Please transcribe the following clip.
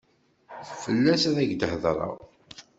Fell-as ad ak-hedreɣ.